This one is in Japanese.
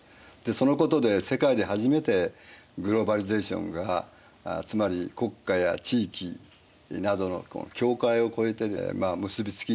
そのことで世界で初めてグローバリゼーションがつまり国家や地域などの境界をこえて結び付き